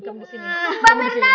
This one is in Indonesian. kamu di sini